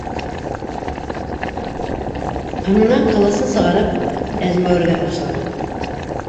Ҡынынан ҡылысын сығарып, әзмәүергә ташлана.